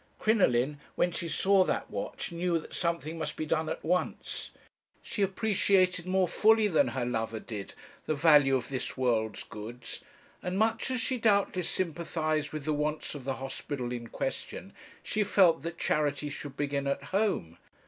"Crinoline, when she saw that watch, knew that something must be done at once. She appreciated more fully than her lover did the value of this world's goods; and much as she doubtless sympathized with the wants of the hospital in question, she felt that charity should begin at home.